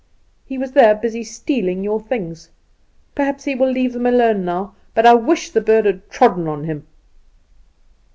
He was there, busy stealing your things. Perhaps he will leave them alone now; but I wish the bird had trodden on him."